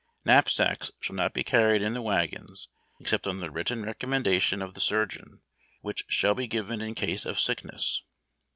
Knapsacks shall not be carried in the wagons except on the written recommendation of the surgeon, whicli sliall be given in case of sickness.